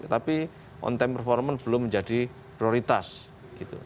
tapi on time performance belum menjadi prioritas gitu